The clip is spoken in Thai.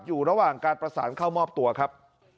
อยู่ระหว่างการประสานเข้ามอบตัวครับ